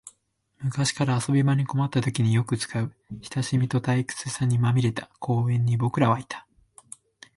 昔から遊び場に困ったときによく使う、親しみと退屈さにまみれた公園に僕らはいた